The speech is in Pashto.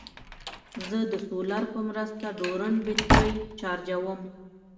زه د سولر په مرسته ډرون بیټرۍ چارجوم.